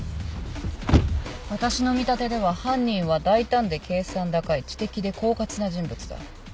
私の見立てでは犯人は大胆で計算高い知的で狡猾な人物だ。